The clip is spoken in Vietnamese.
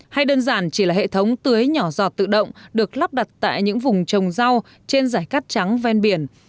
hay đơn giản chỉ là hệ thống tưới nhỏ giọt tự động được lắp đặt tại những vùng trồng rau trên giải cát trắng ven biển